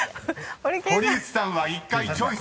［堀内さんは１回チョイスされてます］